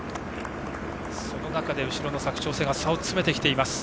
その中で後ろの佐久長聖が差を詰めてきています。